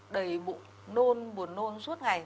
đầy bụng nôn buồn nôn suốt ngày